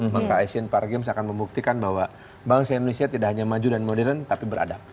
maka asian para games akan membuktikan bahwa bangsa indonesia tidak hanya maju dan modern tapi beradab